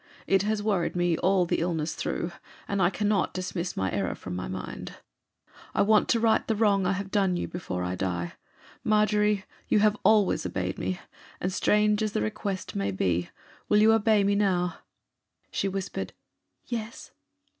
It has worried me all the illness through, and I cannot dismiss my error from my mind ... I want to right the wrong I have done you before I die. Margery, you have always obeyed me, and, strange as the request may be, will you obey me now?' She whispered 'Yes.